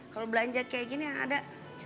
kalau belanja kayak gini yang ada